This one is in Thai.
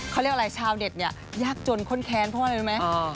เขาเรียกอะไรชาวเน็ตเนี่ยยากจนข้นแค้นเพราะอะไรรู้ไหม